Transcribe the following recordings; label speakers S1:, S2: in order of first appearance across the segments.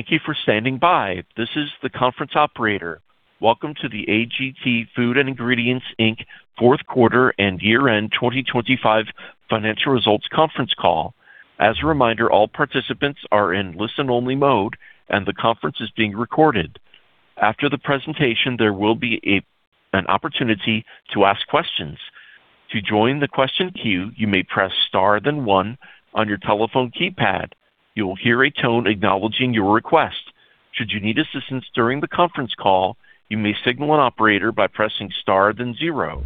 S1: Thank you for standing by. This is the conference operator. Welcome to the AGT Food and Ingredients Inc. fourth quarter and year-end 2025 financial results conference call. As a reminder, all participants are in listen-only mode, and the conference is being recorded. After the presentation, there will be an opportunity to ask questions. To join the question queue, you may press star, then one on your telephone keypad. You will hear a tone acknowledging your request. Should you need assistance during the conference call, you may signal an operator by pressing star, then zero.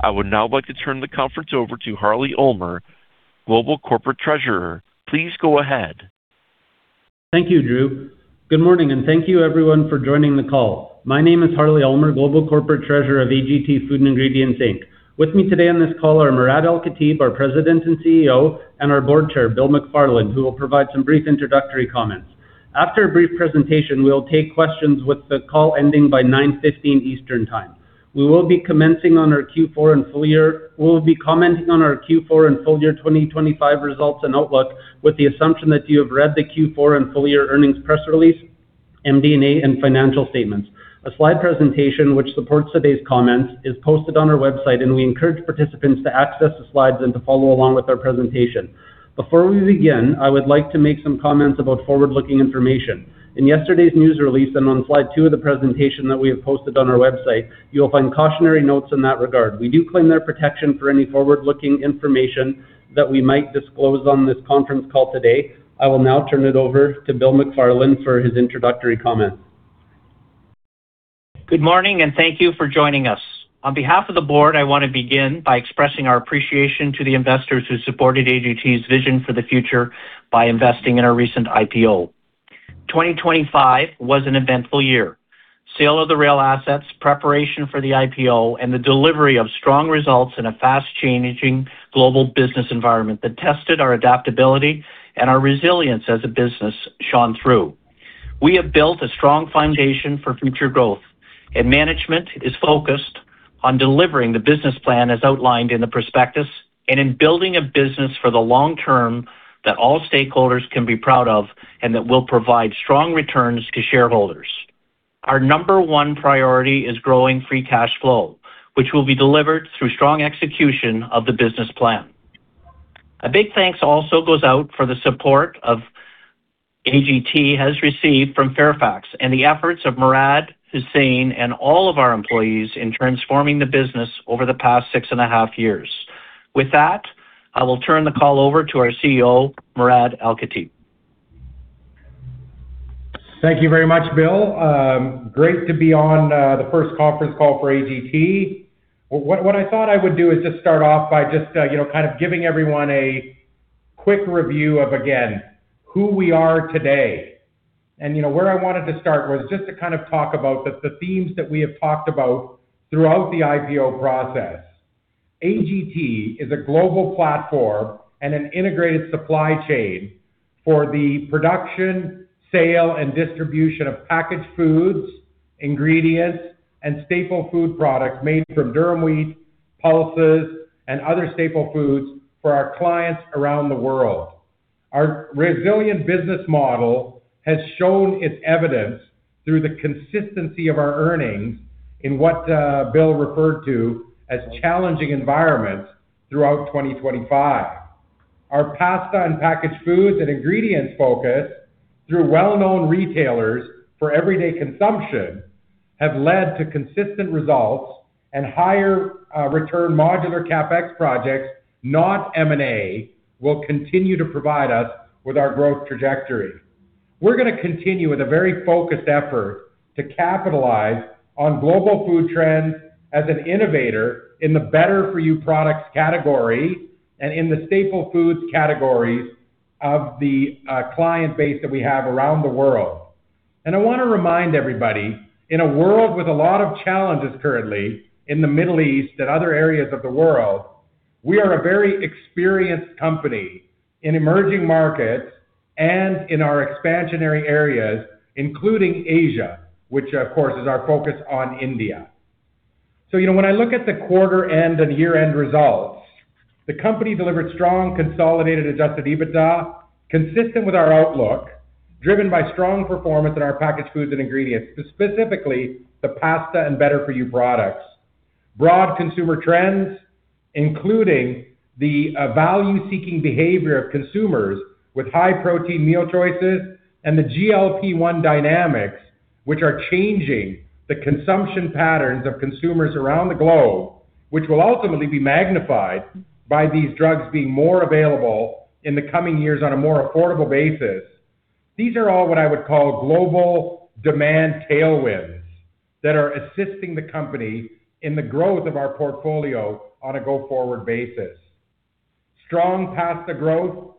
S1: I would now like to turn the conference over to Harley Ulmer, Global Corporate Treasurer. Please go ahead.
S2: Thank you, Drew. Good morning, and thank you everyone for joining the call. My name is Harley Ulmer, Global Corporate Treasurer of AGT Food and Ingredients Inc. With me today on this call are Murad Al-Katib, our President and CEO, and our Board Chair, William McFarland, who will provide some brief introductory comments. After a brief presentation, we'll take questions with the call ending by 9:15 A.M. Eastern Time. We will be commenting on our Q4 and full year 2025 results and outlook with the assumption that you have read the Q4 and full year earnings press release, MD&A, and financial statements. A slide presentation which supports today's comments is posted on our website, and we encourage participants to access the slides and to follow along with our presentation. Before we begin, I would like to make some comments about forward-looking information. In yesterday's news release and on slide two of the presentation that we have posted on our website, you will find cautionary notes in that regard. We do claim their protection for any forward-looking information that we might disclose on this conference call today. I will now turn it over to William McFarland for his introductory comments.
S3: Good morning, and thank you for joining us. On behalf of the board, I wanna begin by expressing our appreciation to the investors who supported AGT's vision for the future by investing in our recent IPO. 2025 was an eventful year. Sale of the rail assets, preparation for the IPO, and the delivery of strong results in a fast changing global business environment that tested our adaptability and our resilience as a business shone through. We have built a strong foundation for future growth, and management is focused on delivering the business plan as outlined in the prospectus and in building a business for the long term that all stakeholders can be proud of and that will provide strong returns to shareholders. Our number one priority is growing free cash flow, which will be delivered through strong execution of the business plan. A big thanks also goes out for the support AGT has received from Fairfax and the efforts of Murad, Hussein, and all of our employees in transforming the business over the past six and a half years. With that, I will turn the call over to our CEO, Murad Al-Katib.
S4: Thank you very much, Will. Great to be on the first conference call for AGT. What I thought I would do is just start off by just, you know, kind of giving everyone a quick review of, again, who we are today. You know, where I wanted to start was just to kind of talk about the themes that we have talked about throughout the IPO process. AGT is a global platform and an integrated supply chain for the production, sale, and distribution of packaged foods, ingredients, and staple food products made from durum wheat, pulses, and other staple foods for our clients around the world. Our resilient business model has shown its evidence through the consistency of our earnings in what Will referred to as challenging environments throughout 2025. Our pasta and packaged foods and ingredients focus through well-known retailers for everyday consumption have led to consistent results and higher return modular CapEx projects, not M&A, will continue to provide us with our growth trajectory. We're gonna continue with a very focused effort to capitalize on global food trends as an innovator in the better for you products category and in the staple foods categories of the client base that we have around the world. I wanna remind everybody, in a world with a lot of challenges currently in the Middle East and other areas of the world, we are a very experienced company in emerging markets and in our expansionary areas, including Asia, which of course is our focus on India. You know, when I look at the quarter end and year-end results, the company delivered strong consolidated adjusted EBITDA consistent with our outlook, driven by strong performance in our packaged foods and ingredients, specifically the pasta and better for you products. Broad consumer trends, including the value-seeking behavior of consumers with high protein meal choices and the GLP-1 dynamics, which are changing the consumption patterns of consumers around the globe, which will ultimately be magnified by these drugs being more available in the coming years on a more affordable basis. These are all what I would call global demand tailwinds that are assisting the company in the growth of our portfolio on a go-forward basis. Strong pasta growth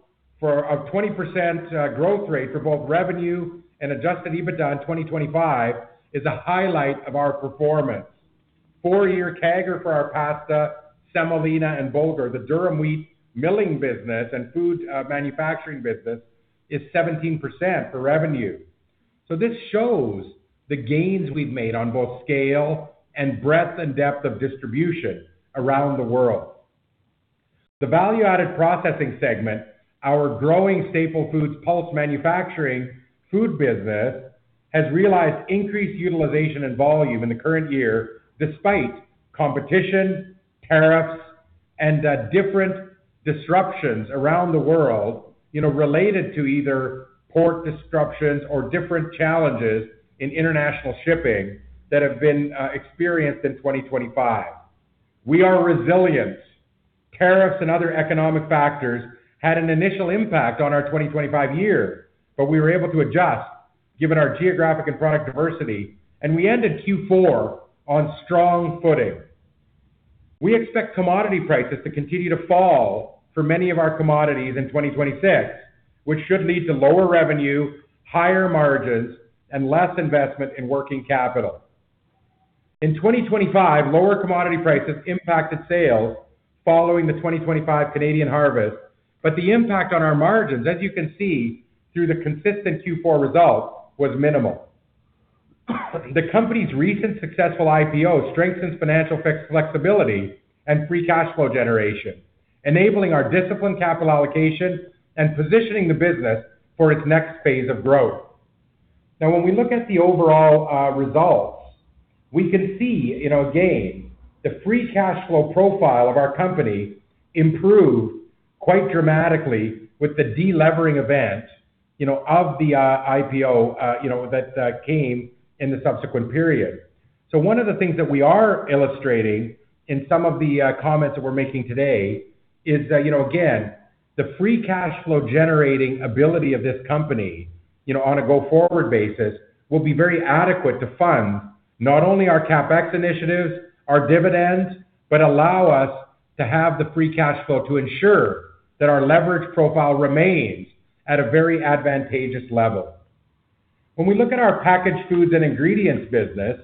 S4: of 20% growth rate for both revenue and adjusted EBITDA in 2025 is a highlight of our performance. 4-year CAGR for our pasta, semolina, and bulgur, the durum wheat milling business and food manufacturing business, is 17% for revenue. This shows the gains we've made on both scale and breadth and depth of distribution around the world. The value-added processing segment, our growing staple foods pulse manufacturing food business, has realized increased utilization and volume in the current year despite competition, tariffs, and different disruptions around the world, you know, related to either port disruptions or different challenges in international shipping that have been experienced in 2025. We are resilient. Tariffs and other economic factors had an initial impact on our 2025 year, but we were able to adjust given our geographic and product diversity, and we ended Q4 on strong footing. We expect commodity prices to continue to fall for many of our commodities in 2026, which should lead to lower revenue, higher margins, and less investment in working capital. In 2025, lower commodity prices impacted sales following the 2025 Canadian harvest. The impact on our margins, as you can see through the consistent Q4 results, was minimal. The company's recent successful IPO strengthens financial flex, flexibility and free cash flow generation, enabling our disciplined capital allocation and positioning the business for its next phase of growth. Now, when we look at the overall results, we can see, you know, again, the free cash flow profile of our company improve quite dramatically with the de-levering event, you know, of the IPO, you know, that came in the subsequent period. One of the things that we are illustrating in some of the comments that we're making today is that, you know, again, the free cash flow generating ability of this company, you know, on a go-forward basis will be very adequate to fund not only our CapEx initiatives, our dividends, but allow us to have the free cash flow to ensure that our leverage profile remains at a very advantageous level. When we look at our packaged foods and ingredients business,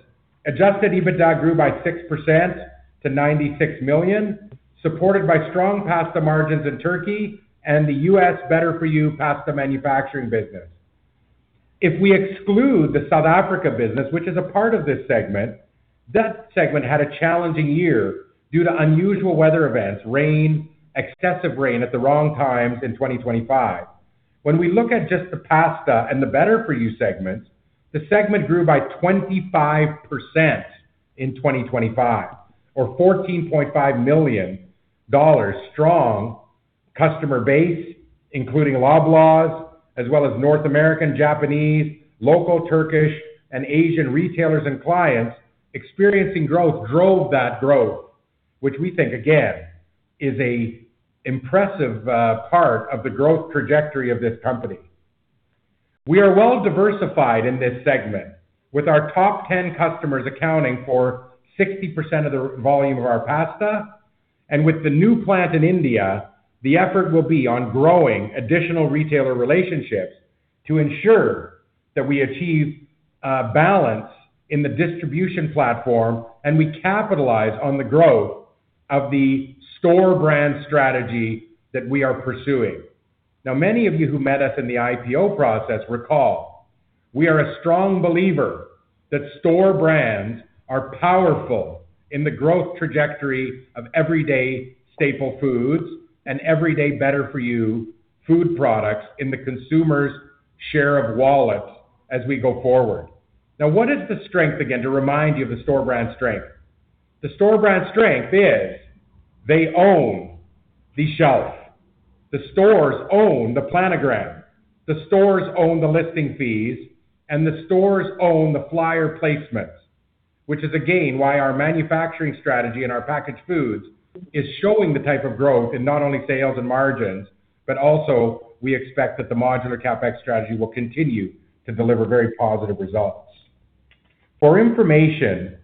S4: adjusted EBITDA grew by 6% to 96 million, supported by strong pasta margins in Turkey and the U.S. better for you pasta manufacturing business. If we exclude the South Africa business, which is a part of this segment, that segment had a challenging year due to unusual weather events, rain, excessive rain at the wrong times in 2025. When we look at just the pasta and the better for you segments, the segment grew by 25% in 2025 or $14.5 million. Strong customer base, including Loblaw as well as North American, Japanese, local Turkish, and Asian retailers and clients experiencing growth drove that growth, which we think, again, is an impressive part of the growth trajectory of this company. We are well diversified in this segment with our top 10 customers accounting for 60% of the volume of our pasta. With the new plant in India, the effort will be on growing additional retailer relationships to ensure that we achieve balance in the distribution platform and we capitalize on the growth of the store brand strategy that we are pursuing. Now, many of you who met us in the IPO process recall we are a strong believer that store brands are powerful in the growth trajectory of everyday staple foods and everyday better for you food products in the consumer's share of wallets as we go forward. Now, what is the strength again, to remind you of the store brand strength? The store brand strength is they own the shelf, the stores own the planogram, the stores own the listing fees, and the stores own the flyer placements. Which is again, why our manufacturing strategy in our packaged foods is showing the type of growth in not only sales and margins, but also we expect that the modular CapEx strategy will continue to deliver very positive results. For information,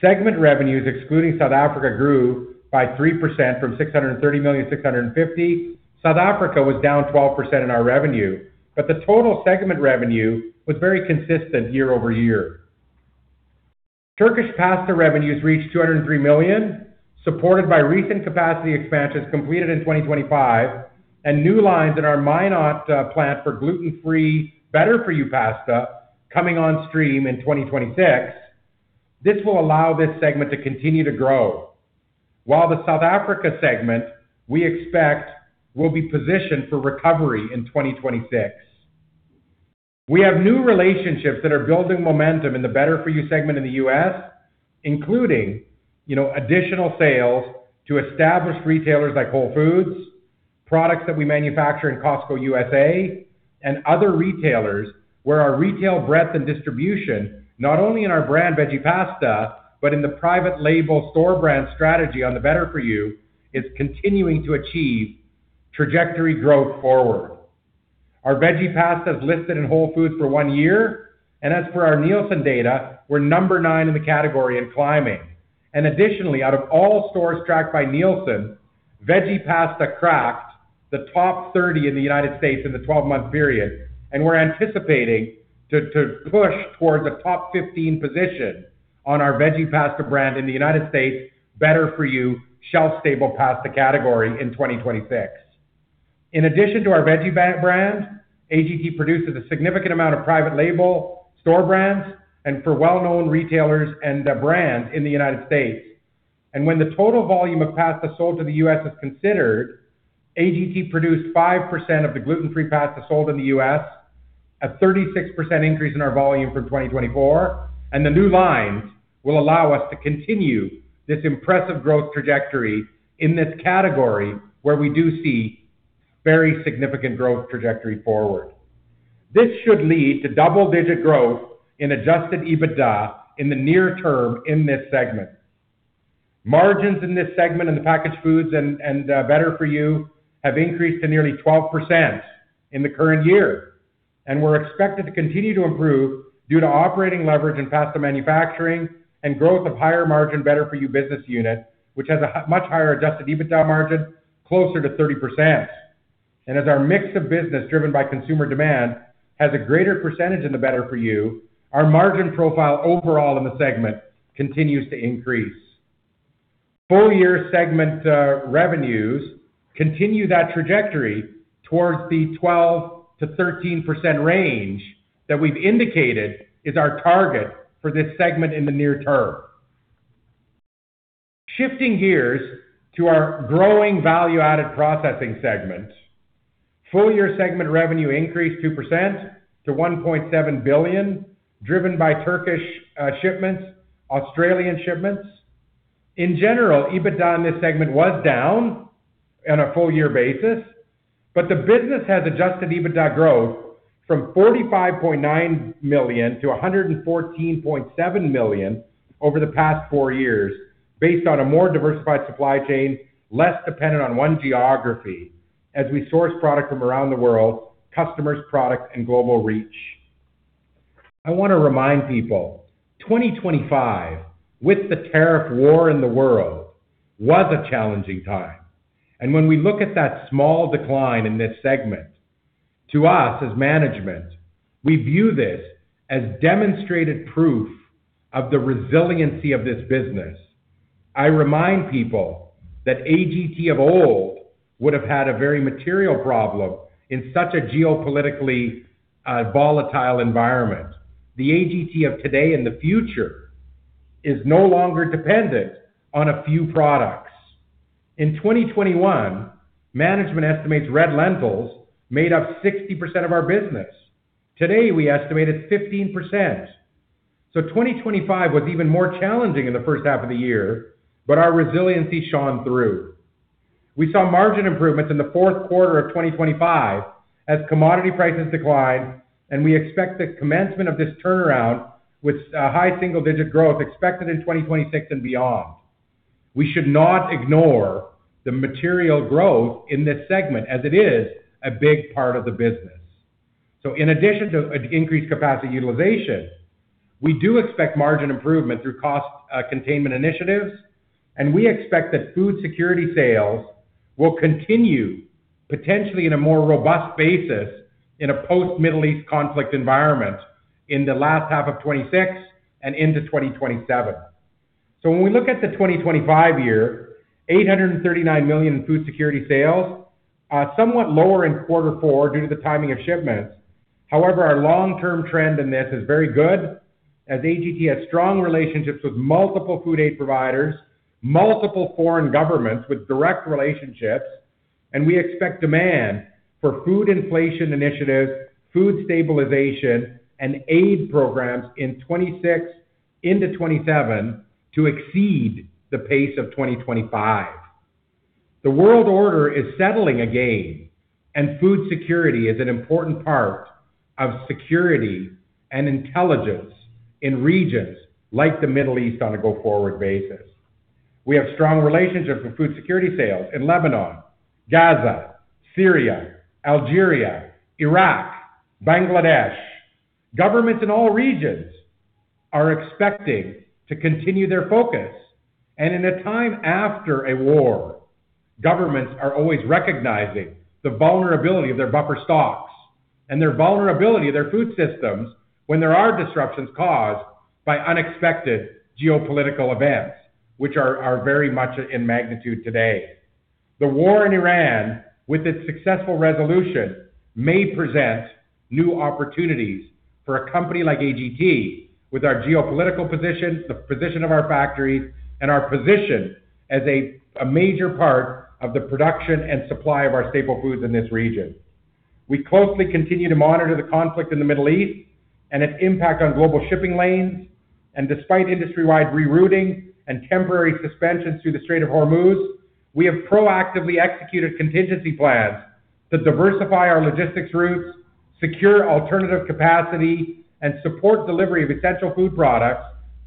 S4: segment revenues excluding South Africa grew by 3% from 630 million, 650. South Africa was down 12% in our revenue, but the total segment revenue was very consistent year-over-year. Turkish pasta revenues reached 203 million, supported by recent capacity expansions completed in 2025 and new lines in our Minot plant for gluten-free better for you pasta coming on stream in 2026. This will allow this segment to continue to grow. While the South Africa segment, we expect will be positioned for recovery in 2026. We have new relationships that are building momentum in the Better For You segment in the U.S., including, you know, additional sales to established retailers like Whole Foods, products that we manufacture in Costco U.S.A. and other retailers, where our retail breadth and distribution, not only in our brand VeggiPasta, but in the private label store brand strategy on the Better For You, is continuing to achieve trajectory growth forward. Our VeggiPasta is listed in Whole Foods for one year, and as per our Nielsen data, we're number nine in the category and climbing. Additionally, out of all stores tracked by Nielsen, VeggiPasta cracked the top 30 in the United States in the 12-month period. We're anticipating to push towards a top 15 position on our VeggiPasta brand in the United States Better For You shelf stable pasta category in 2026. In addition to our VeggiPasta brand, AGT produces a significant amount of private label store brands and for well-known retailers and the brand in the United States. When the total volume of pasta sold to the U.S. is considered, AGT produced 5% of the gluten-free pasta sold in the U.S. at a 36% increase in our volume from 2024. The new lines will allow us to continue this impressive growth trajectory in this category where we do see very significant growth trajectory forward. This should lead to double-digit growth in adjusted EBITDA in the near term in this segment. Margins in this segment in the packaged foods and Better For You have increased to nearly 12% in the current year. We're expected to continue to improve due to operating leverage in pasta manufacturing and growth of higher margin Better For You business unit, which has a much higher adjusted EBITDA margin closer to 30%. As our mix of business driven by consumer demand has a greater percentage in the Better For You, our margin profile overall in the segment continues to increase. Full year segment revenues continue that trajectory towards the 12%-13% range that we've indicated is our target for this segment in the near term. Shifting gears to our growing value-added processing segment. Full year segment revenue increased 2% to 1.7 billion, driven by Turkish shipments, Australian shipments. In general, EBITDA in this segment was down on a full year basis, but the business has adjusted EBITDA growth from 45.9 million to 114.7 million over the past four years based on a more diversified supply chain, less dependent on one geography as we source product from around the world, customers products and global reach. I want to remind people, 2025, with the tariff war in the world, was a challenging time. When we look at that small decline in this segment, to us as management, we view this as demonstrated proof of the resiliency of this business. I remind people that AGT of old would have had a very material problem in such a geopolitically volatile environment. The AGT of today and the future is no longer dependent on a few products. In 2021, management estimates red lentils made up 60% of our business. Today, we estimate it's 15%. 2025 was even more challenging in the first half of the year, but our resiliency shone through. We saw margin improvements in the fourth quarter of 2025 as commodity prices declined, and we expect the commencement of this turnaround with high single digit growth expected in 2026 and beyond. We should not ignore the material growth in this segment as it is a big part of the business. In addition to an increased capacity utilization, we do expect margin improvement through cost containment initiatives, and we expect that food security sales will continue potentially in a more robust basis in a post Middle East conflict environment in the last half of 2026 and into 2027. When we look at the 2025 year, 839 million in food security sales, somewhat lower in quarter four due to the timing of shipments. However, our long-term trend in this is very good as AGT has strong relationships with multiple food aid providers, multiple foreign governments with direct relationships, and we expect demand for food inflation initiatives, food stabilization, and aid programs in 2026 into 2027 to exceed the pace of 2025. The world order is settling again, and food security is an important part of security and intelligence in regions like the Middle East on a go-forward basis. We have strong relationships with food security sales in Lebanon, Gaza, Syria, Algeria, Iraq, Bangladesh. Governments in all regions are expecting to continue their focus. In a time after a war, governments are always recognizing the vulnerability of their buffer stocks and their vulnerability of their food systems when there are disruptions caused by unexpected geopolitical events, which are very much in magnitude today. The war in Iran, with its successful resolution, may present new opportunities for a company like AGT with our geopolitical position, the position of our factories, and our position as a major part of the production and supply of our staple foods in this region. We closely continue to monitor the conflict in the Middle East and its impact on global shipping lanes, and despite industry-wide rerouting and temporary suspensions through the Strait of Hormuz, we have proactively executed contingency plans to diversify our logistics routes, secure alternative capacity, and support delivery of essential food products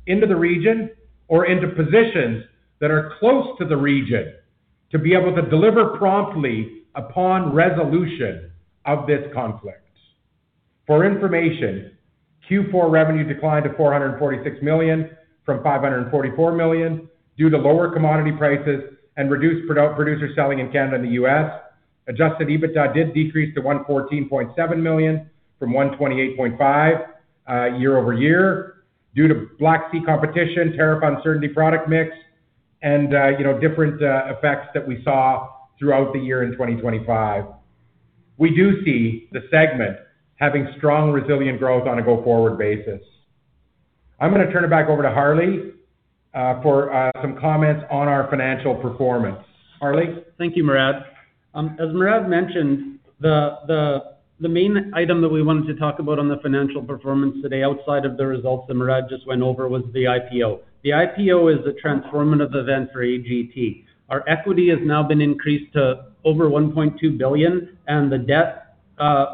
S4: into the region or into positions that are close to the region to be able to deliver promptly upon resolution of this conflict. For information, Q4 revenue declined to 446 million from 544 million due to lower commodity prices and reduced producer selling in Canada and the US. Adjusted EBITDA did decrease to 114.7 million from 128.5 million year over year due to Black Sea competition, tariff uncertainty, product mix. You know, different effects that we saw throughout the year in 2025. We do see the segment having strong resilient growth on a go-forward basis. I'm gonna turn it back over to Harley for some comments on our financial performance. Harley?
S2: Thank you, Murad. As Murad mentioned, the main item that we wanted to talk about on the financial performance today outside of the results that Murad just went over was the IPO. The IPO is a transformative event for AGT. Our equity has now been increased to over 1.2 billion, and the debt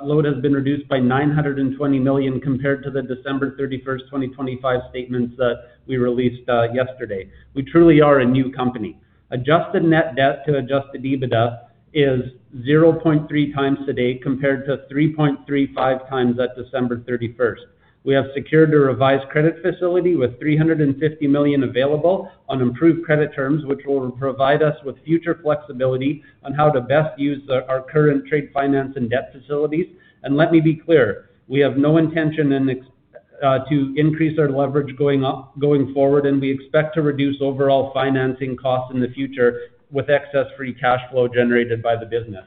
S2: load has been reduced by 920 million compared to the December 31, 2025 statements that we released yesterday. We truly are a new company. Adjusted net debt to adjusted EBITDA is 0.3 times today compared to 3.35 times at December 31. We have secured a revised credit facility with 350 million available on improved credit terms, which will provide us with future flexibility on how to best use our current trade finance and debt facilities. Let me be clear, we have no intention to increase our leverage going forward, and we expect to reduce overall financing costs in the future with excess free cash flow generated by the business.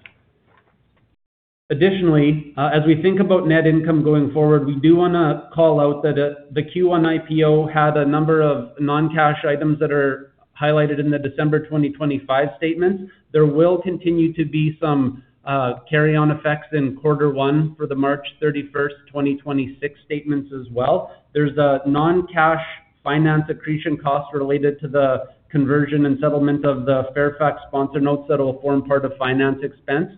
S2: Additionally, as we think about net income going forward, we do wanna call out that the Q1 IPO had a number of non-cash items that are highlighted in the December 2025 statements. There will continue to be some carry-on effects in quarter one for the March 31, 2026 statements as well. There's a non-cash finance accretion cost related to the conversion and settlement of the Fairfax sponsor notes that will form part of finance expense.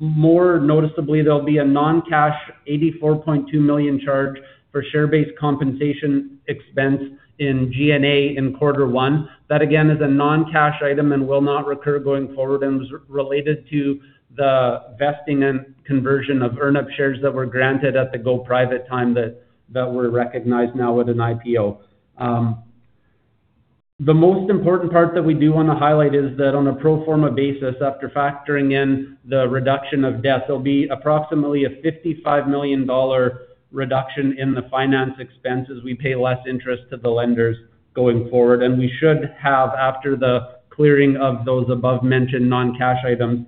S2: More noticeably, there'll be a non-cash 84.2 million charge for share-based compensation expense in G&A in quarter one. That, again, is a non-cash item and will not recur going forward and is related to the vesting and conversion of earn-up shares that were granted at the go private time that were recognized now with an IPO. The most important part that we do wanna highlight is that on a pro forma basis, after factoring in the reduction of debt, there'll be approximately a 55 million dollar reduction in the finance expense as we pay less interest to the lenders going forward. We should have, after the clearing of those above-mentioned non-cash items,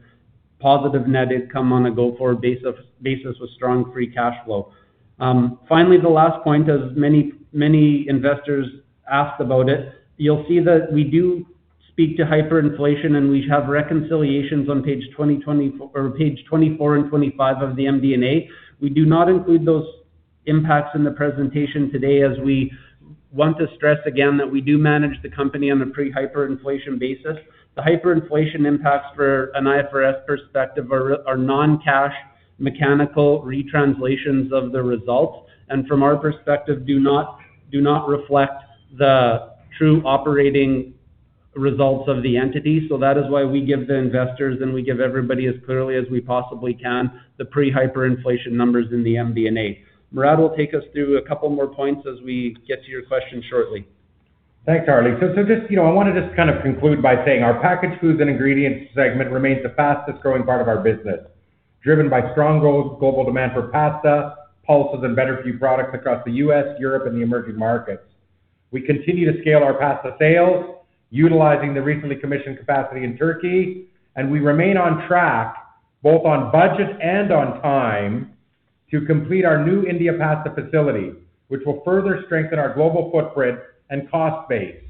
S2: positive net income on a go-forward basis with strong free cash flow. Finally, the last point, as many investors asked about it, you'll see that we do speak to hyperinflation, and we have reconciliations on page 24 or page 24 and 25 of the MD&A. We do not include those impacts in the presentation today as we want to stress again that we do manage the company on a pre-hyperinflation basis. The hyperinflation impacts for an IFRS perspective are non-cash mechanical retranslations of the results, and from our perspective, do not reflect the true operating results of the entity. That is why we give the investors and we give everybody as clearly as we possibly can the pre-hyperinflation numbers in the MD&A. Murad will take us through a couple more points as we get to your questions shortly.
S4: Thanks, Harley. Just, you know, I wanna just kind of conclude by saying our packaged foods and ingredients segment remains the fastest-growing part of our business, driven by strong growth, global demand for pasta, pulses, and Better For You products across the U.S., Europe, and the emerging markets. We continue to scale our pasta sales, utilizing the recently commissioned capacity in Turkey, and we remain on track, both on budget and on time, to complete our new Indian pasta facility, which will further strengthen our global footprint and cost base.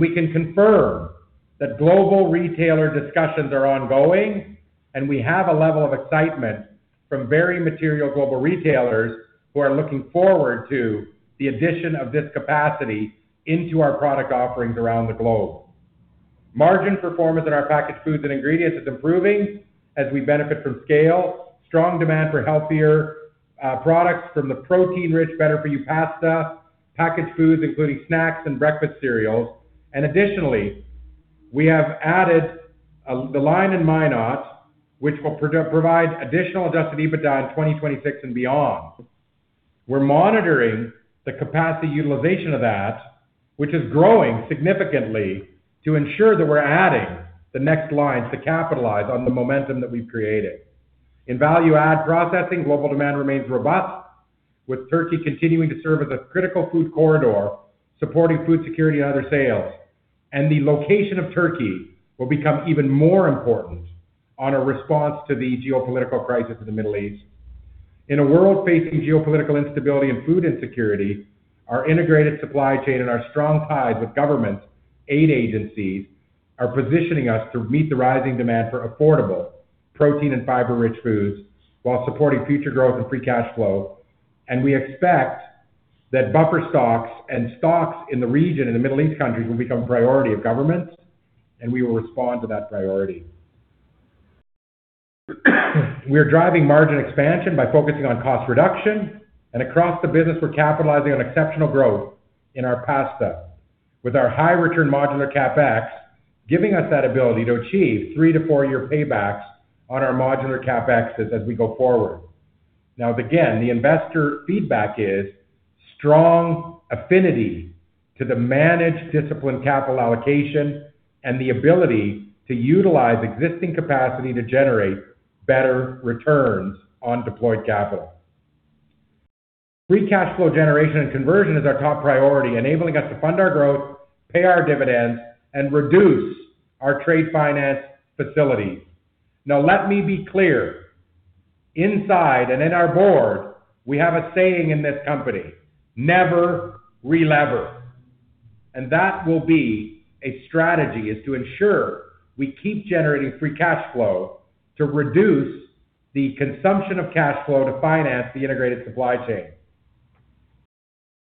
S4: We can confirm that global retailer discussions are ongoing, and we have a level of excitement from very material global retailers who are looking forward to the addition of this capacity into our product offerings around the globe. Margin performance in our packaged foods and ingredients is improving as we benefit from scale, strong demand for healthier products from the protein-rich Better For You pasta, packaged foods, including snacks and breakfast cereals. Additionally, we have added the line in Minot, which will provide additional adjusted EBITDA in 2026 and beyond. We're monitoring the capacity utilization of that, which is growing significantly, to ensure that we're adding the next lines to capitalize on the momentum that we've created. In value-add processing, global demand remains robust, with Turkey continuing to serve as a critical food corridor, supporting food security and other sales. The location of Turkey will become even more important on a response to the geopolitical crisis in the Middle East. In a world facing geopolitical instability and food insecurity, our integrated supply chain and our strong ties with government aid agencies are positioning us to meet the rising demand for affordable protein and fiber-rich foods while supporting future growth and free cash flow. We expect that buffer stocks and stocks in the region, in the Middle East countries, will become a priority of governments, and we will respond to that priority. We are driving margin expansion by focusing on cost reduction, and across the business, we're capitalizing on exceptional growth in our pasta, with our high-return modular CapEx giving us that ability to achieve 3- to 4-year paybacks on our modular CapExes as we go forward. Now again, the investor feedback is strong affinity to the managed disciplined capital allocation and the ability to utilize existing capacity to generate better returns on deployed capital. Free cash flow generation and conversion is our top priority, enabling us to fund our growth, pay our dividends, and reduce our trade finance facilities. Now, let me be clear. Inside and in our board, we have a saying in this company, "Never relever." That will be a strategy, is to ensure we keep generating free cash flow to reduce the consumption of cash flow to finance the integrated supply chain.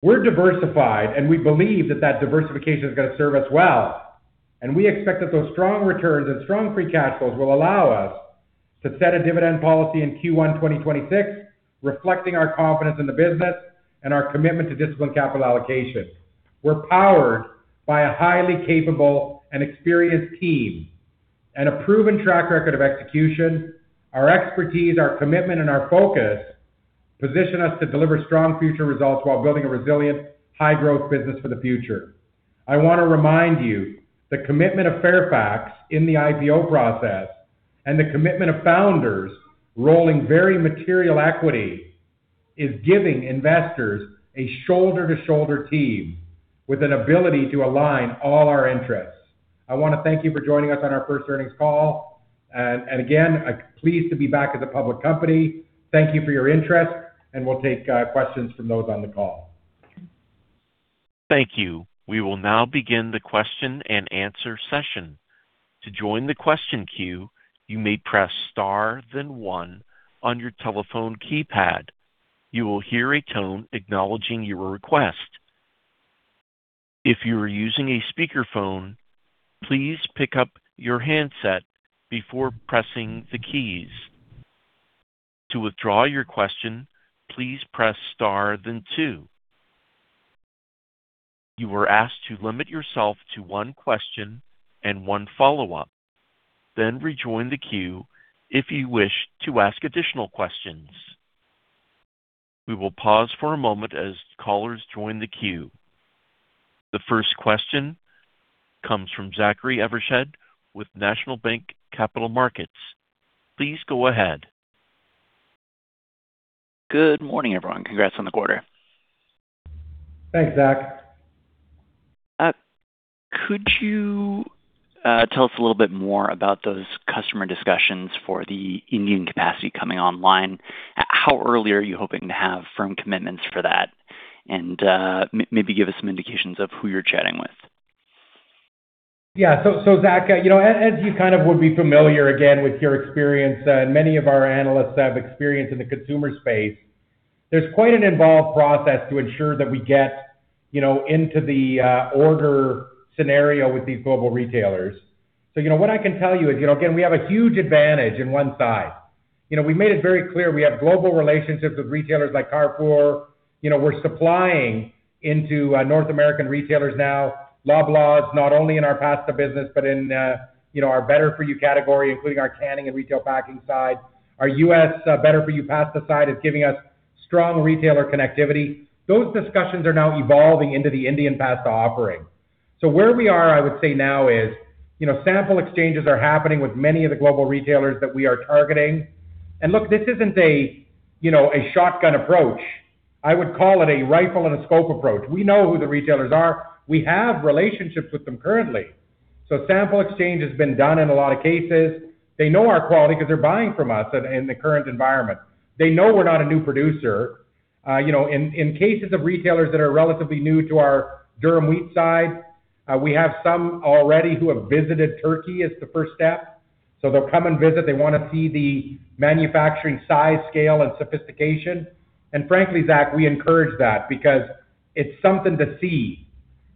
S4: We're diversified, and we believe that that diversification is gonna serve us well, and we expect that those strong returns and strong free cash flows will allow us to set a dividend policy in Q1 2026, reflecting our confidence in the business and our commitment to disciplined capital allocation. We're powered by a highly capable and experienced team and a proven track record of execution. Our expertise, our commitment, and our focus position us to deliver strong future results while building a resilient, high-growth business for the future. I wanna remind you the commitment of Fairfax in the IPO process and the commitment of founders rolling very material equity is giving investors a shoulder-to-shoulder team with an ability to align all our interests. I wanna thank you for joining us on our first earnings call. Again, pleased to be back as a public company. Thank you for your interest, and we'll take questions from those on the call.
S1: Thank you. We will now begin the question and answer session. To join the question queue, you may press star then one on your telephone keypad. You will hear a tone acknowledging your request. If you are using a speakerphone, please pick up your handset before pressing the keys. To withdraw your question, please press star then two. You are asked to limit yourself to one question and one follow-up, then rejoin the queue if you wish to ask additional questions. We will pause for a moment as callers join the queue. The first question comes from Zachary Evershed with National Bank Capital Markets. Please go ahead.
S5: Good morning, everyone. Congrats on the quarter.
S4: Thanks, Zach.
S5: Could you tell us a little bit more about those customer discussions for the Indian capacity coming online? How early are you hoping to have firm commitments for that? Maybe give us some indications of who you're chatting with?
S4: Zachary, you know, as you kind of would be familiar, again, with your experience, and many of our analysts have experience in the consumer space, there's quite an involved process to ensure that we get, you know, into the order scenario with these global retailers. What I can tell you is, you know, again, we have a huge advantage in one side. You know, we made it very clear we have global relationships with retailers like Carrefour. You know, we're supplying into North American retailers now. Loblaw, not only in our pasta business, but in, you know, our better for you category, including our canning and retail packing side. Our U.S. better for you pasta side is giving us strong retailer connectivity. Those discussions are now evolving into the Indian pasta offering. Where we are, I would say now is, you know, sample exchanges are happening with many of the global retailers that we are targeting. Look, this isn't a, you know, a shotgun approach. I would call it a rifle and a scope approach. We know who the retailers are. We have relationships with them currently. Sample exchange has been done in a lot of cases. They know our quality 'cause they're buying from us in the current environment. They know we're not a new producer. In cases of retailers that are relatively new to our durum wheat side, we have some already who have visited Turkey as the first step. They'll come and visit. They wanna see the manufacturing size, scale, and sophistication. Frankly, Zach, we encourage that because it's something to see,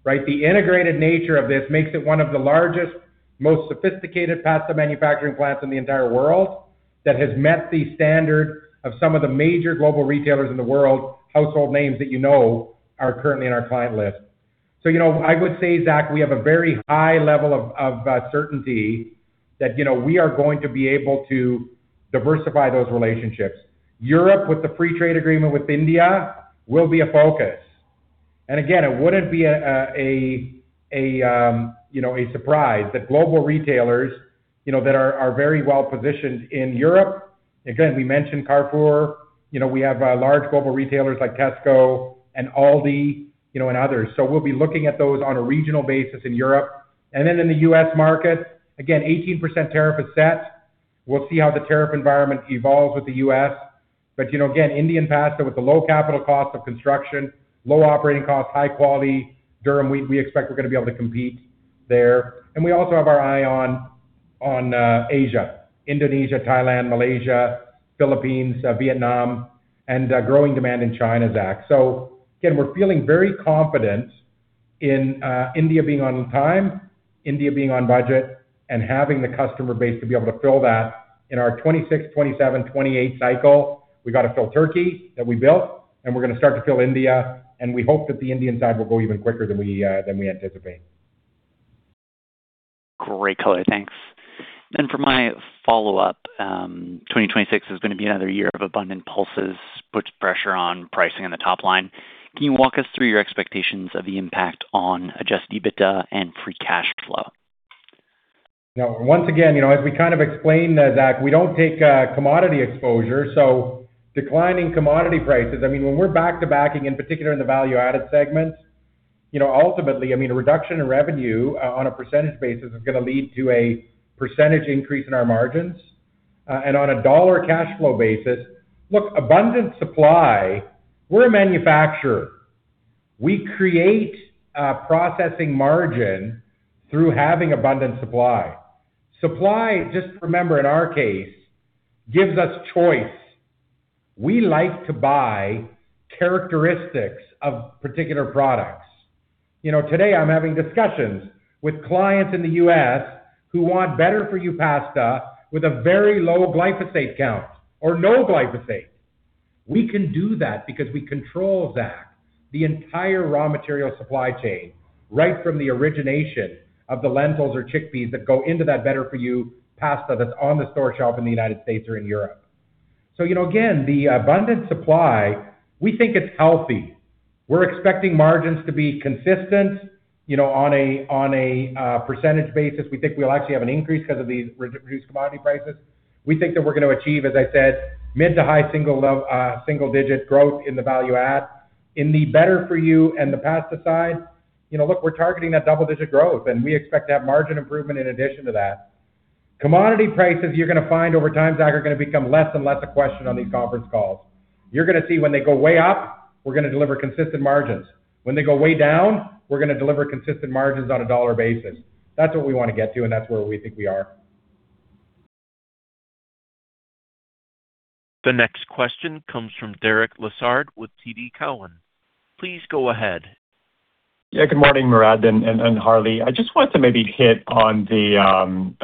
S4: right? The integrated nature of this makes it one of the largest, most sophisticated pasta manufacturing plants in the entire world that has met the standard of some of the major global retailers in the world, household names that you know are currently in our client list. You know, I would say, Zach, we have a very high level of certainty that, you know, we are going to be able to diversify those relationships. Europe, with the free trade agreement with India, will be a focus. Again, it wouldn't be a surprise that global retailers, you know, that are very well positioned in Europe. Again, we mentioned Carrefour. You know, we have large global retailers like Tesco and Aldi, you know, and others. We'll be looking at those on a regional basis in Europe. Then in the U.S. market, again, 18% tariff is set. We'll see how the tariff environment evolves with the U.S. You know, again, Indian pasta with the low capital cost of construction, low operating costs, high quality durum wheat, we expect we're gonna be able to compete there. And we also have our eye on Asia, Indonesia, Thailand, Malaysia, Philippines, Vietnam, and growing demand in China, Zach. Again, we're feeling very confident in India being on time, India being on budget, and having the customer base to be able to fill that. In our 2026, 2027, 2028 cycle, we got to fill Turkey that we built, and we're gonna start to fill India, and we hope that the Indian side will go even quicker than we anticipate.
S5: Great color. Thanks. For my follow-up, 2026 is gonna be another year of abundant pulses, puts pressure on pricing on the top line. Can you walk us through your expectations of the impact on adjusted EBITDA and free cash flow?
S4: No. Once again, you know, as we kind of explained, Zach, we don't take commodity exposure, so declining commodity prices. I mean, when we're back to backing, in particular in the value-added segments, you know, ultimately, I mean, a reduction in revenue on a percentage basis is gonna lead to a percentage increase in our margins. On a dollar cash flow basis. Look, abundant supply, we're a manufacturer. We create a processing margin through having abundant supply. Supply, just remember in our case, gives us choice. We like to buy characteristics of particular products. You know, today I'm having discussions with clients in the U.S. who want better-for-you pasta with a very low glyphosate count or no glyphosate. We can do that because we control that, the entire raw material supply chain, right from the origination of the lentils or chickpeas that go into that better for you pasta that's on the store shelf in the United States or in Europe. You know, again, the abundant supply, we think it's healthy. We're expecting margins to be consistent, you know, on a percentage basis. We think we'll actually have an increase 'cause of these re-reduced commodity prices. We think that we're gonna achieve, as I said, mid to high single-digit growth in the value-add. In the better for you and the pasta side, you know, look, we're targeting that double-digit growth, and we expect to have margin improvement in addition to that. Commodity prices, you're gonna find over time, Zach, are gonna become less and less a question on these conference calls. You're gonna see when they go way up, we're gonna deliver consistent margins. When they go way down, we're gonna deliver consistent margins on a dollar basis. That's what we wanna get to, and that's where we think we are.
S1: The next question comes from Derek Lessard with TD Cowen. Please go ahead.
S6: Yeah, good morning, Murad and Harley. I just want to maybe hit on the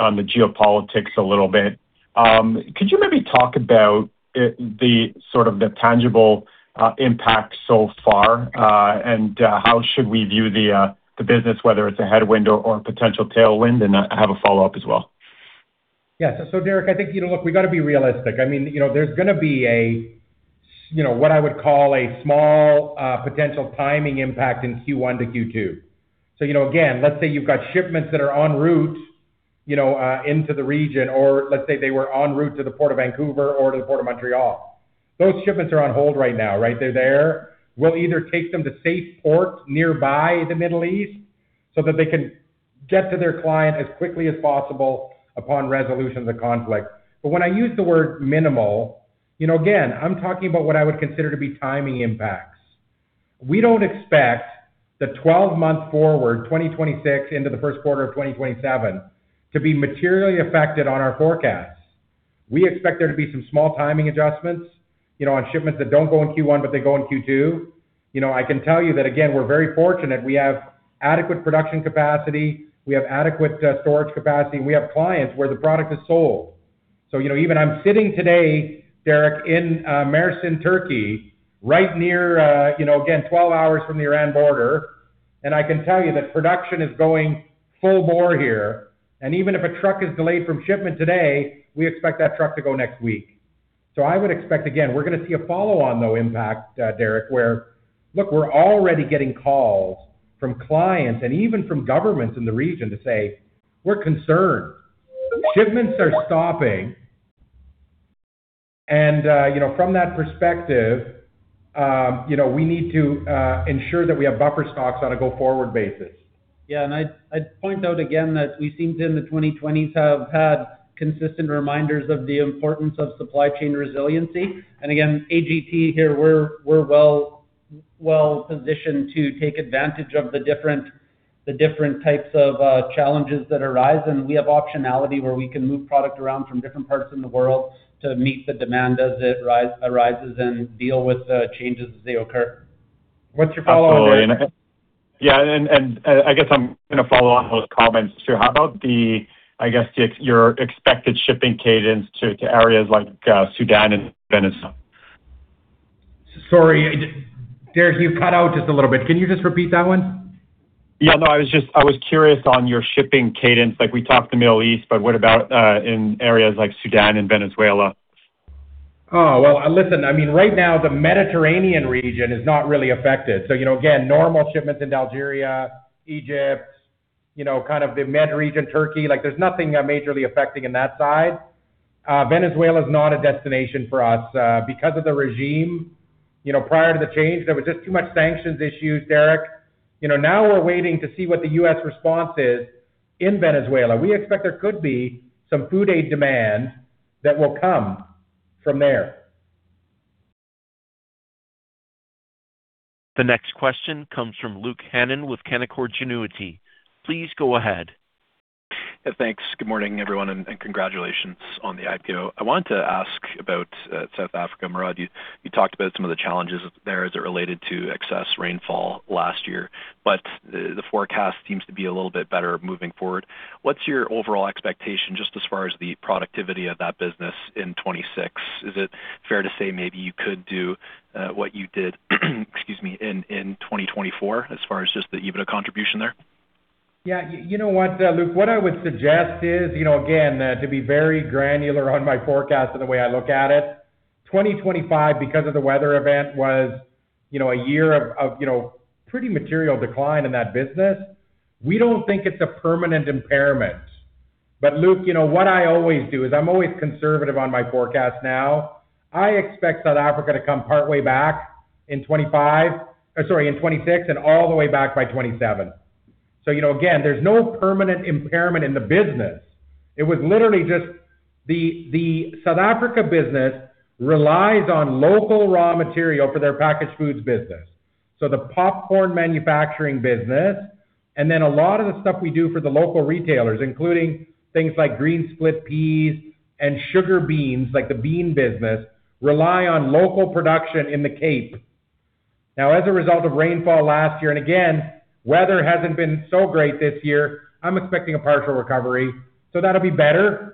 S6: geopolitics a little bit. Could you maybe talk about the sort of tangible impact so far, and how should we view the business, whether it's a headwind or potential tailwind? I have a follow-up as well.
S4: Yeah. Derek, I think, you know, look, we've got to be realistic. I mean, you know, there's gonna be a, you know, what I would call a small potential timing impact in Q1 to Q2. You know, again, let's say you've got shipments that are en route, you know, into the region, or let's say they were en route to the Port of Vancouver or to the Port of Montreal. Those shipments are on hold right now, right? They're there. We'll either take them to safe ports nearby the Middle East so that they can get to their client as quickly as possible upon resolution of the conflict. When I use the word minimal, you know, again, I'm talking about what I would consider to be timing impacts. We don't expect the 12-month forward, 2026 into the first quarter of 2027, to be materially affected on our forecasts. We expect there to be some small timing adjustments, you know, on shipments that don't go in Q1, but they go in Q2. You know, I can tell you that again, we're very fortunate. We have adequate production capacity, we have adequate storage capacity, and we have clients where the product is sold. You know, even I'm sitting today, Derek, in Mersin, Turkey, right near, you know, again, 12 hours from the Iran border, and I can tell you that production is going full bore here. Even if a truck is delayed from shipment today, we expect that truck to go next week. I would expect, again, we're gonna see a follow-on, though, impact, Derek, where. Look, we're already getting calls from clients and even from governments in the region to say, "We're concerned. Shipments are stopping." You know, from that perspective, you know, we need to ensure that we have buffer stocks on a go-forward basis.
S2: Yeah. I'd point out again that we seem to in the 2020s have had consistent reminders of the importance of supply chain resiliency. Again, AGT here, we're well-positioned to take advantage of the different types of challenges that arise. We have optionality where we can move product around from different parts in the world to meet the demand as it arises and deal with changes as they occur.
S4: What's your follow-up, Derek?
S6: Yeah. I guess I'm gonna follow on those comments too. How about your expected shipping cadence to areas like Sudan and Venezuela?
S4: Sorry, Derek, you cut out just a little bit. Can you just repeat that one?
S6: No, I was curious on your shipping cadence. Like, we talked the Middle East, but what about in areas like Sudan and Venezuela?
S4: Well, listen, I mean, right now, the Mediterranean region is not really affected. You know, again, normal shipments into Algeria, Egypt, you know, kind of the Med region, Turkey, like, there's nothing majorly affecting in that side. Venezuela is not a destination for us because of the regime. You know, prior to the change, there was just too much sanctions issues, Derek. You know, now we're waiting to see what the U.S. response is in Venezuela. We expect there could be some food aid demand that will come from there.
S1: The next question comes from Luke Hannan with Canaccord Genuity. Please go ahead.
S7: Thanks. Good morning, everyone, and congratulations on the IPO. I wanted to ask about South Africa. Murad, you talked about some of the challenges there as it related to excess rainfall last year, but the forecast seems to be a little bit better moving forward. What's your overall expectation just as far as the productivity of that business in 2026? Is it fair to say maybe you could do what you did, excuse me, in 2024 as far as just the EBITDA contribution there?
S4: You know what, Luke, what I would suggest is, you know, again, to be very granular on my forecast and the way I look at it. 2025, because of the weather event, was, you know, a year of pretty material decline in that business. We don't think it's a permanent impairment. Luke, you know, what I always do is I'm always conservative on my forecast now. I expect South Africa to come partway back in 2025, or sorry, in 2026 and all the way back by 2027. You know, again, there's no permanent impairment in the business. It was literally just the South Africa business relies on local raw material for their packaged foods business. The popcorn manufacturing business, and then a lot of the stuff we do for the local retailers, including things like green split peas and sugar beans, like the bean business, rely on local production in the Cape. Now, as a result of rainfall last year, and again, weather hasn't been so great this year, I'm expecting a partial recovery, so that'll be better.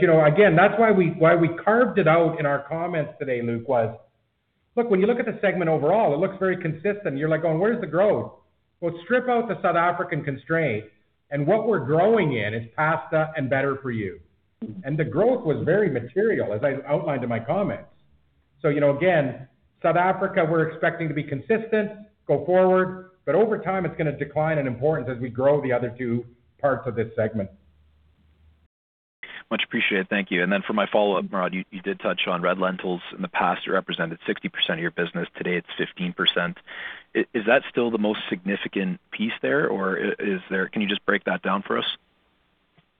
S4: You know, again, that's why we carved it out in our comments today, Luke, was, look, when you look at the segment overall, it looks very consistent. You're like going, "Where's the growth?" Well, strip out the South African constraint and what we're growing in is pasta and better for you. The growth was very material, as I outlined in my comments. you know, again, South Africa, we're expecting to be consistent go forward, but over time it's gonna decline in importance as we grow the other two parts of this segment.
S7: Much appreciated. Thank you. Then for my follow-up, Murad, you did touch on red lentils. In the past, it represented 60% of your business. Today, it's 15%. Is that still the most significant piece there, or is there? Can you just break that down for us?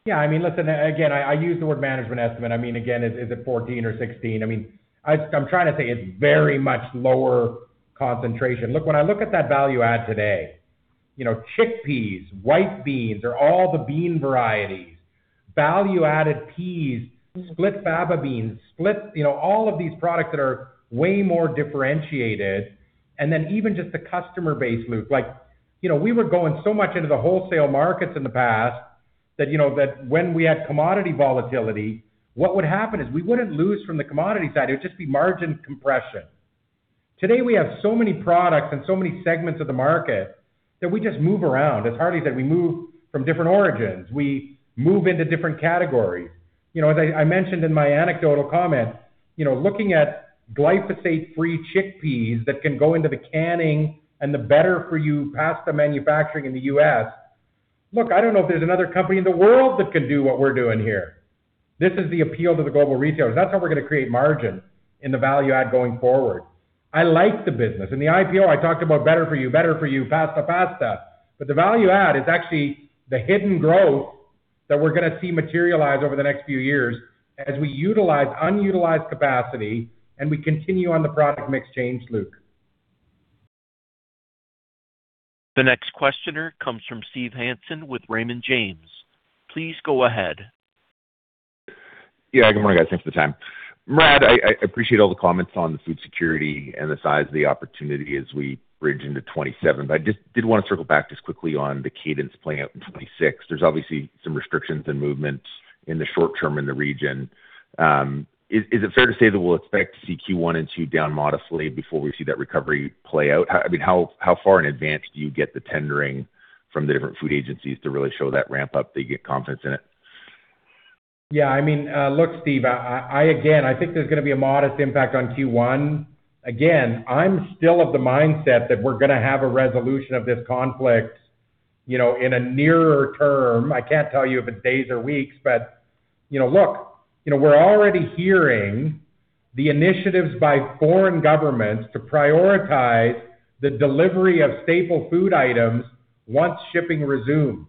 S4: Yeah. I mean, listen, again, I use the word management estimate. I mean, again, is it 14 or 16? I mean, I'm trying to say it's very much lower concentration. Look, when I look at that value add today, you know, chickpeas, white beans or all the bean varieties, value-added peas, split faba beans, you know, all of these products that are way more differentiated, and then even just the customer base, Luke. Like, you know, we were going so much into the wholesale markets in the past that, you know, that when we had commodity volatility, what would happen is we wouldn't lose from the commodity side. It would just be margin compression. Today, we have so many products and so many segments of the market that we just move around. As Harley said, we move from different origins. We move into different categories. You know, as I mentioned in my anecdotal comment, you know, looking at glyphosate-free chickpeas that can go into the canning and the better for you pasta manufacturing in the US. Look, I don't know if there's another company in the world that can do what we're doing here. This is the appeal to the global retailers. That's how we're gonna create margin in the value add going forward. I like the business. In the IPO, I talked about better for you pasta. But the value add is actually the hidden growth that we're gonna see materialize over the next few years as we utilize unutilized capacity and we continue on the product mix change, Luke.
S1: The next questioner comes from Steve Hansen with Raymond James. Please go ahead.
S8: Yeah. Good morning, guys. Thanks for the time. Murad, I appreciate all the comments on the food security and the size of the opportunity as we bridge into 2027. I just did wanna circle back just quickly on the cadence playing out in 2026. There's obviously some restrictions and movements in the short term in the region. Is it fair to say that we'll expect to see Q1 and Q2 down modestly before we see that recovery play out? I mean, how far in advance do you get the tendering from the different food agencies to really show that ramp up, that you get confidence in it?
S4: Yeah, I mean, look, Steve, I again, I think there's gonna be a modest impact on Q1. Again, I'm still of the mindset that we're gonna have a resolution of this conflict, you know, in a nearer term. I can't tell you if it's days or weeks. You know, look, you know, we're already hearing the initiatives by foreign governments to prioritize the delivery of staple food items once shipping resumes.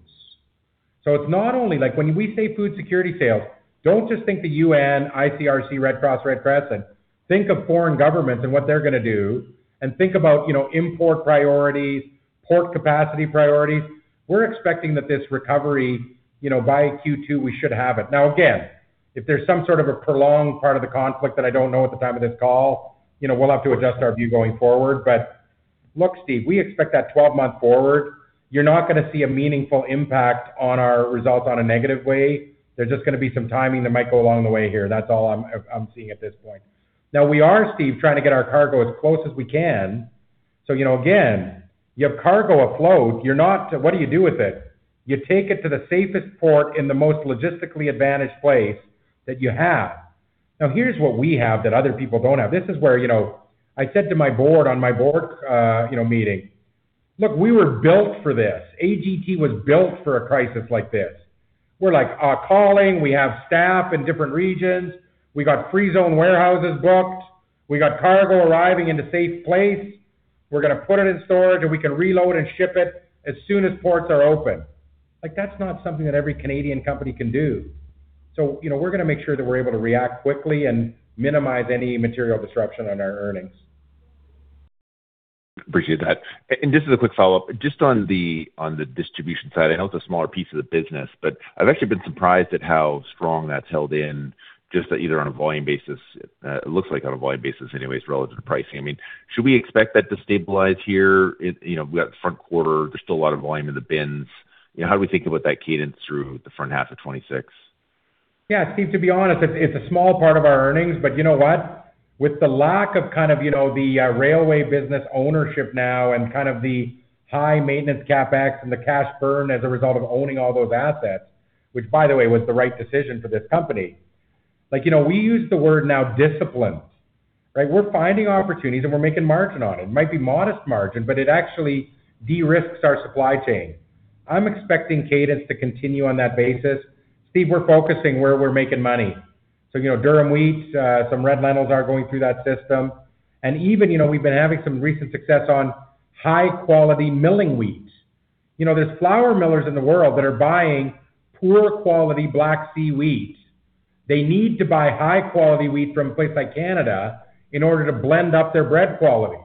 S4: So it's not only like when we say food security sales, don't just think the UN, ICRC, Red Cross, Red Crescent. Think of foreign governments and what they're gonna do, and think about, you know, import priorities, port capacity priorities. We're expecting that this recovery, you know, by Q2, we should have it. Now, again, if there's some sort of a prolonged part of the conflict that I don't know at the time of this call, you know, we'll have to adjust our view going forward. Look, Steve, we expect that 12 months forward, you're not gonna see a meaningful impact on our results on a negative way. There's just gonna be some timing that might go along the way here. That's all I'm seeing at this point. Now, we are, Steve, trying to get our cargo as close as we can. So, you know, again, you have cargo afloat. What do you do with it? You take it to the safest port in the most logistically advantaged place that you have. Now, here's what we have that other people don't have. This is where, you know, I said to my board, you know, meeting, "Look, we were built for this. AGT was built for a crisis like this." We're like a calling. We have staff in different regions. We got free zone warehouses booked. We got cargo arriving in a safe place. We're gonna put it in storage, and we can reload and ship it as soon as ports are open. Like, that's not something that every Canadian company can do. You know, we're gonna make sure that we're able to react quickly and minimize any material disruption on our earnings.
S8: Appreciate that. Just as a quick follow-up, just on the distribution side, I know it's a smaller piece of the business, but I've actually been surprised at how strong that's held in just either on a volume basis, it looks like on a volume basis anyways, relative to pricing. I mean, should we expect that to stabilize here? You know, we've got front quarter, there's still a lot of volume in the bins. You know, how do we think about that cadence through the front half of 2026?
S4: Yeah, Steve, to be honest, it's a small part of our earnings, but you know what? With the lack of kind of, you know, railway business ownership now and kind of the high maintenance CapEx and the cash burn as a result of owning all those assets. Which by the way, was the right decision for this company. Like, you know, we use the word now disciplined, right? We're finding opportunities and we're making margin on it. It might be modest margin, but it actually de-risks our supply chain. I'm expecting cadence to continue on that basis. Steve, we're focusing where we're making money. You know, durum wheat, some red lentils are going through that system. Even, you know, we've been having some recent success on high-quality milling wheat. You know, there's flour millers in the world that are buying poor quality Black Sea wheat. They need to buy high-quality wheat from a place like Canada in order to blend up their bread quality.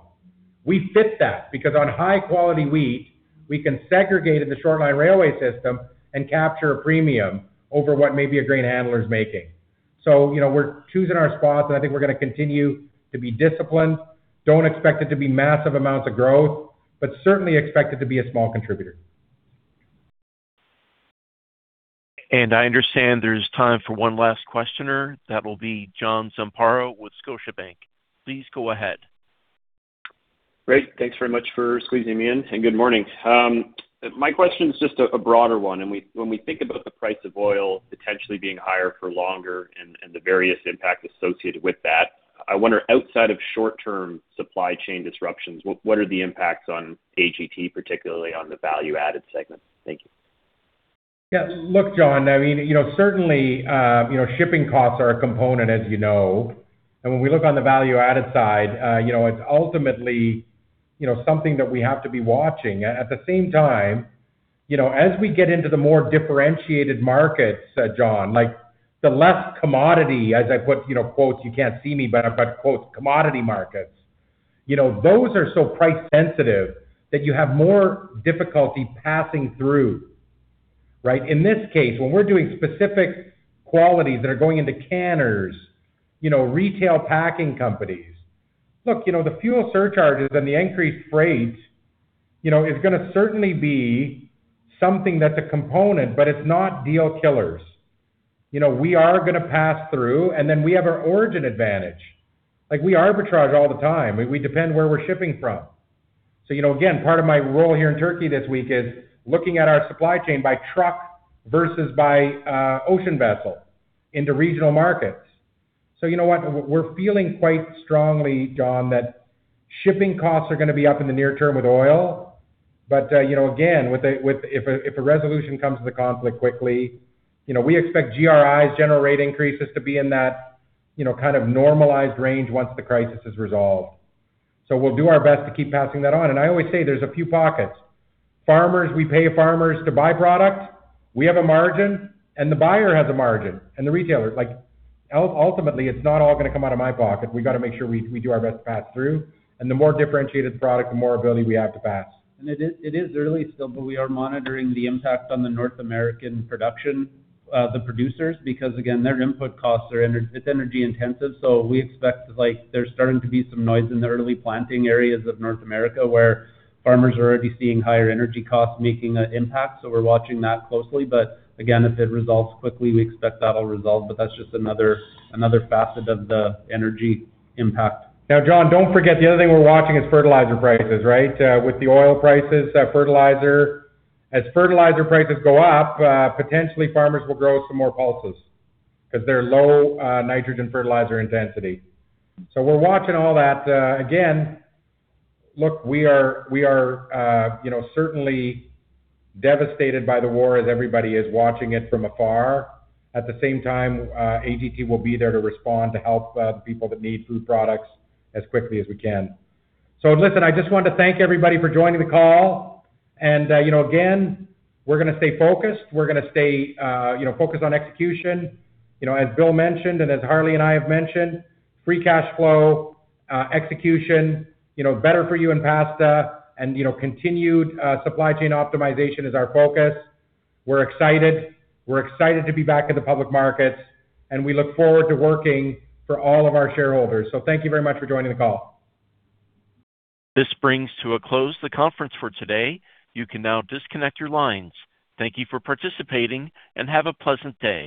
S4: We fit that because on high-quality wheat, we can segregate in the short line railway system and capture a premium over what maybe a grain handler is making. You know, we're choosing our spots, and I think we're gonna continue to be disciplined. Don't expect it to be massive amounts of growth, but certainly expect it to be a small contributor.
S1: I understand there's time for one last questioner. That will be John Zamparo with Scotiabank. Please go ahead.
S9: Great. Thanks very much for squeezing me in, and good morning. My question is just a broader one, and when we think about the price of oil potentially being higher for longer and the various impact associated with that, I wonder, outside of short-term supply chain disruptions, what are the impacts on AGT, particularly on the value-added segment? Thank you.
S4: Yeah, look, John. I mean, you know, certainly, you know, shipping costs are a component as you know. When we look on the value-added side, you know, it's ultimately, you know, something that we have to be watching. At the same time, you know, as we get into the more differentiated markets, John, like the less commodity as I put, you know, quotes, you can't see me, but I put quotes, "commodity markets," you know, those are so price sensitive that you have more difficulty passing through, right? In this case, when we're doing specific qualities that are going into canners, you know, retail packing companies. Look, you know, the fuel surcharges and the increased freight, you know, is gonna certainly be something that's a component, but it's not deal killers. You know, we are gonna pass through and then we have our origin advantage. Like, we arbitrage all the time. We depend where we're shipping from. You know, again, part of my role here in Turkey this week is looking at our supply chain by truck versus by ocean vessel into regional markets. You know what? We're feeling quite strongly, John, that shipping costs are gonna be up in the near term with oil. You know, again, with if a resolution comes to the conflict quickly, you know, we expect GRIs, general rate increases to be in that, you know, kind of normalized range once the crisis is resolved. We'll do our best to keep passing that on. I always say there's a few pockets. Farmers, we pay farmers to buy product. We have a margin, and the buyer has a margin, and the retailer. Like, ultimately, it's not all gonna come out of my pocket. We've got to make sure we do our best to pass through, and the more differentiated product, the more ability we have to pass.
S2: It is early still, but we are monitoring the impact on the North American production, the producers, because again, their input costs are energy intensive. We expect, like, there's starting to be some noise in the early planting areas of North America, where farmers are already seeing higher energy costs making an impact, so we're watching that closely. Again, if it resolves quickly, we expect that'll resolve. That's just another facet of the energy impact.
S4: Now, John, don't forget, the other thing we're watching is fertilizer prices, right? With the oil prices, fertilizer. As fertilizer prices go up, potentially farmers will grow some more pulses 'cause they're low nitrogen fertilizer intensity. We're watching all that. Again, look, we are, you know, certainly devastated by the war as everybody is watching it from afar. At the same time, AGT will be there to respond to help the people that need food products as quickly as we can. Listen, I just wanted to thank everybody for joining the call. You know, again, we're gonna stay focused. We're gonna stay, you know, focused on execution. You know, as Will mentioned, and as Harley and I have mentioned, free cash flow, execution, you know, better for you in pasta and, you know, continued, supply chain optimization is our focus. We're excited to be back in the public markets, and we look forward to working for all of our shareholders. Thank you very much for joining the call.
S1: This brings to a close the conference for today. You can now disconnect your lines. Thank you for participating and have a pleasant day.